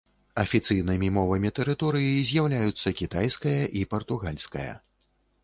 Афіцыйнымі мовамі тэрыторыі з'яўляюцца кітайская і партугальская.